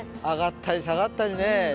上がったり、下がったりね